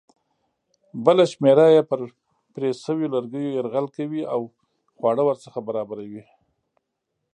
بله شمېره یې پر پرې شویو لرګیو یرغل کوي او خواړه ورڅخه برابروي.